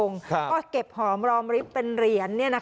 ก็เก็บหอมรอมริฟท์เป็นเหรียญ